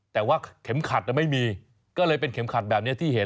แต่ว่าเข็มขัดไม่มีก็เลยเป็นเข็มขัดแบบนี้ที่เห็น